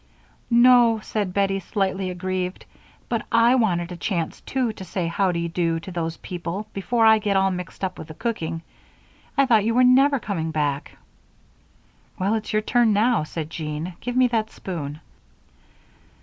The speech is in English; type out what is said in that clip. "No," said Bettie, slightly aggrieved, "but I wanted a chance, too, to say how do you do to those people before I get all mixed up with the cooking. I thought you were never coming back." "Well, it's your turn now," said Jean. "Give me that spoon."